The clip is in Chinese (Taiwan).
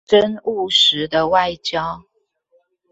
真務實的外交